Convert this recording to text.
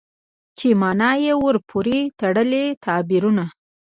چې مانا يې ورپورې تړلي تعبيرونه